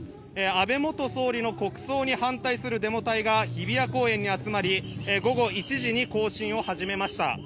安倍元総理の国葬に反対するデモ隊が日比谷公園に集まり午後１時に行進を始めました。